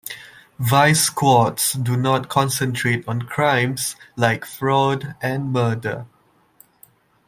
Vice squads do not concentrate on crimes like fraud and murder.